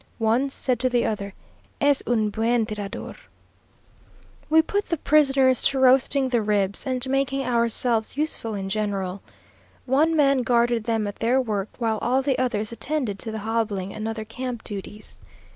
One said to the other, "Es un buen tirador." We put the prisoners to roasting the ribs, and making themselves useful in general. One man guarded them at their work, while all the others attended to the hobbling and other camp duties.